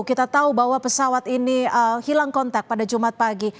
kita tahu bahwa pesawat ini hilang kontak pada jumat pagi